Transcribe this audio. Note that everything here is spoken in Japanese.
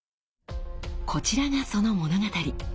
こちらがその物語。